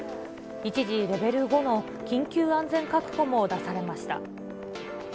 一時、レベル５の緊急安全確保も出されました。